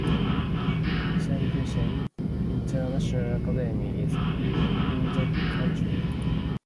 Cheongshim International Academy is in the county.